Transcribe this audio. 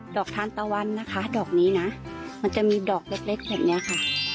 ทานตะวันนะคะดอกนี้นะมันจะมีดอกเล็กแบบนี้ค่ะ